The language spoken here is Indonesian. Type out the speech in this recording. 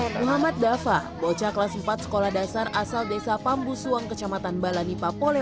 hai muhammad dava bocah kelas empat sekolah dasar asal desa pambu suwang kecamatan balanipapole